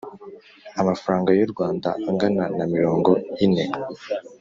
amafaranga y u Rwanda ingana na mirongo ine